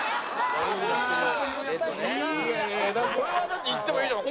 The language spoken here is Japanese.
それはだって言ってもいいじゃん。